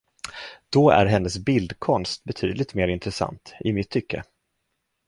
Då är hennes bildkonst betydligt mer intressant, i mitt tycke.